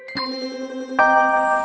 pertarungin bp terurang